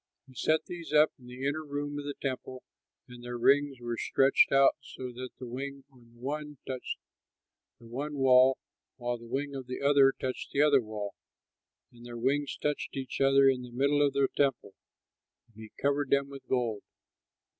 He set these up in the inner room of the temple; and their wings were stretched out so that the wing of the one touched the one wall, while the wing of the other touched the other wall, and their wings touched each other in the middle of the temple; and he covered them with gold.